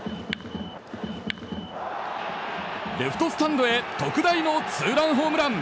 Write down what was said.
レフトスタンドへ特大のツーランホームラン！